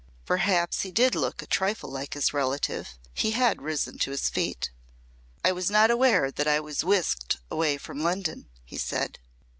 Perhaps he did look a trifle like his relative. He had risen to his feet. "I was not aware that I was whisked away from London," he said.